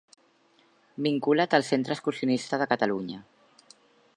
Vinculat al Centre Excursionista de Catalunya.